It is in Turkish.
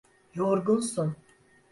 Yorgunsun.